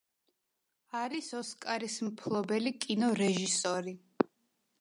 არის ოსკარის მფლობელი კინორეჟისორი.